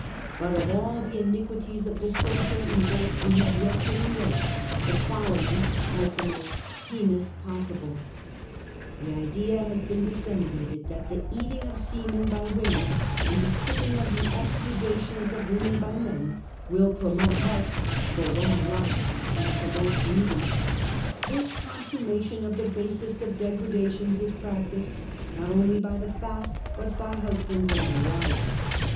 / But of all the iniquities of the social evil we have \ yet to relate the following as the most heinous pos sible : The idea has been disseminated that the "eating of semen by women and the sipping of the exundations H of women by men, will promote health, prolong life, land promote beauty." This consummation of the basest of degradations is \j practiced not only by the fast but by husbands and \their wives.